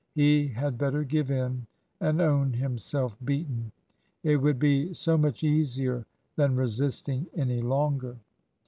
He had better give in, and own himself beaten. It would be so much easier than resisting any longer.